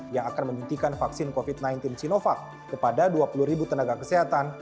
yang akan menyuntikan vaksin covid sembilan belas sinovac kepada dua puluh tenaga kesehatan